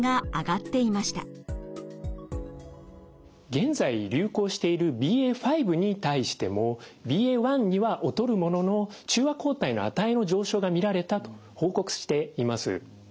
現在流行しているＢＡ．５に対してもＢＡ．１には劣るものの中和抗体の値の上昇が見られたと報告しています。